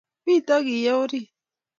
Mito kiye orit